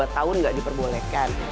dua tahun gak diperbolehkan